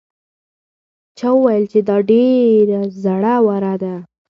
چا وویل چې دا ډېره زړه وره ده؟